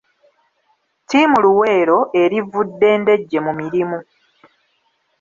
Ttiimu Luweero erivvudde Ndejje mu mirimu.